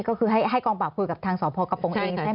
ก็คือให้กองปราบคุยกับทางสพกระโปรงเองใช่ไหม